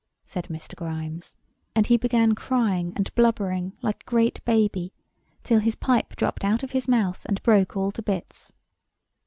said Mr. Grimes. And he began crying and blubbering like a great baby, till his pipe dropped out of his mouth, and broke all to bits.